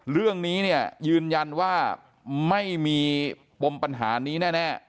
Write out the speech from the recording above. เรื่องนี้เนี่ยยืนยันว่าไม่มีปมปัญหานี้แน่